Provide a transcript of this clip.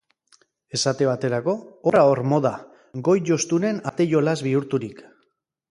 Esate baterako, horra hor moda, goi-jostunen arte-jolas bihurturik.